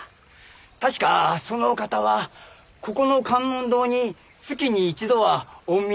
確かそのお方はここの観音堂に月に一度はお見えになっていたかと。